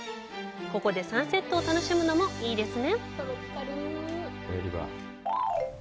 ここでサンセットを楽しむのもいいですね。